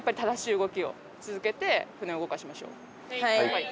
はい。